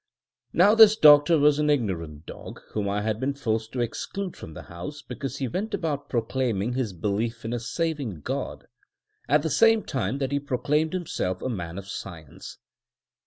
Now, this doctor was an ignorant dog, whom I had been forced to exclude from the house because he went about proclaiming his belief in a saving God, at the same time that he proclaimed himself a man of science.